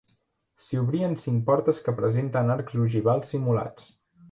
S'hi obren cinc portes que presenten arcs ogivals simulats.